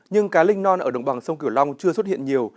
nhưng cá linh non ở đồng bằng sông cửu long chưa xuất hiện nhiều